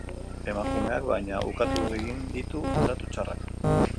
Emakumeak, baina, ukatu egin ditu tratu txarrak.